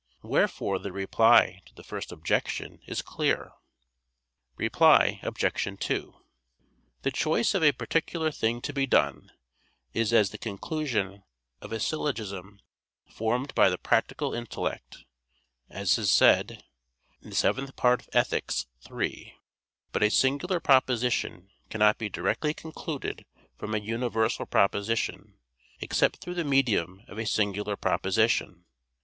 Wherefore the reply to the first objection is clear. Reply Obj. 2: The choice of a particular thing to be done is as the conclusion of a syllogism formed by the practical intellect, as is said Ethic. vii, 3. But a singular proposition cannot be directly concluded from a universal proposition, except through the medium of a singular proposition.